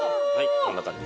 こんな感じです。